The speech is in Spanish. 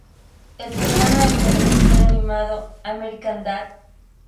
El programa de televisión animado, "American Dad!